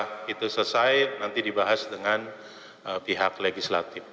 kalau itu selesai nanti dibahas dengan pihak legislatif